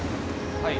はい。